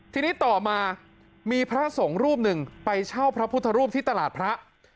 ทีนี้ต่อมามีพระสงฆ์รูปหนึ่งไปเช่าพระพุทธรูปที่ตลาดพระ